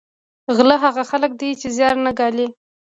غله هغه خلک دي چې زیار نه ګالي